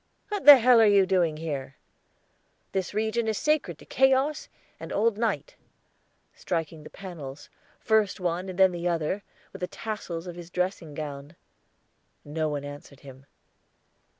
"What the hell are you doing here? This region is sacred to Chaos and old Night," striking the panels, first one and then the other, with the tassels of his dressing gown. No one answered him.